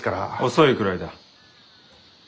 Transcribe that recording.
遅いくらいだ。